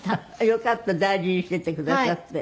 よかった大事にしていてくださって。